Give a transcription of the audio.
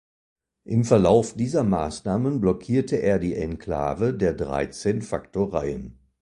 Im Verlauf dieser Maßnahmen blockierte er die Enklave der Dreizehn Faktoreien.